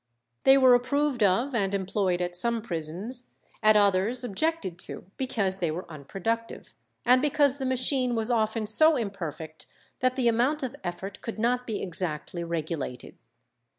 They were approved of and employed at some prisons, at others objected to because they were unproductive, and because the machine was often so imperfect that the amount of effort could not be exactly regulated.